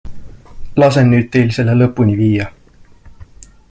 Lasen nüüd teil selle lõpuni viia!